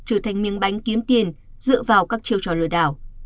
trở thành miếng bánh kiếm tiền dựa vào các chiêu trò lừa đảo